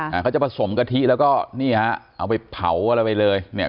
อ่าเขาจะผสมกะทิแล้วก็นี่ฮะเอาไปเผาอะไรไปเลยเนี่ย